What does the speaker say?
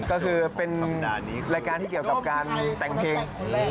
ก็คือเป็นรายการที่เกี่ยวกับการแต่งเพลง